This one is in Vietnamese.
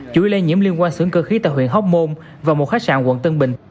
chủ yếu liên quan xưởng cơ khí tại huyện hóc môn và một khách sạn quận tân bình